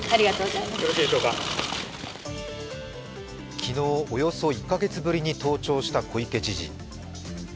昨日およそ１カ月ぶりに登庁した小池知事。